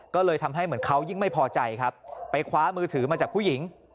ก็เลยทำให้เหมือนเขายิ่งไม่พอใจครับไปคว้ามือถือมาจากผู้หญิง